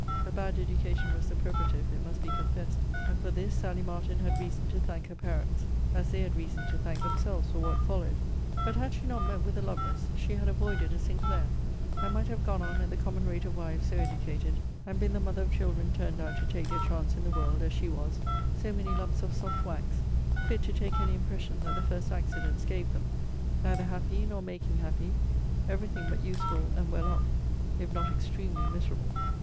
Eccles. xxv. 19. A bad education was the preparative, it must be confessed; and for this Sally Martin had reason to thank her parents; as they had reason to thank themselves for what followed: but, had she not met with a Lovelace, she had avoided a Sinclair; and might have gone on at the common rate of wives so educated, and been the mother of children turned out to take their chance in the world, as she was; so many lumps of soft wax, fit to take any impression that the first accidents gave them; neither happy, nor making happy; every thing but useful, and well off, if not extremely miserable.